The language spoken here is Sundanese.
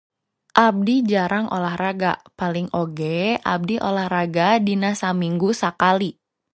Abdi jarang olahraga, paling oge abdi olahraga dina saminggu sakali.